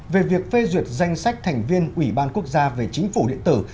về việc phê duyệt danh sách thành viên ủy ban quốc gia về chính phủ điện tử